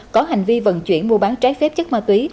có hành vi vận chuyển mua bán trái phép chất ma túy